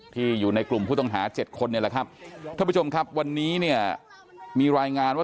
อยู่ในกลุ่มผู้ต้องหา๗คนเนี่ยแหละครับท่านผู้ชมครับวันนี้เนี่ยมีรายงานว่า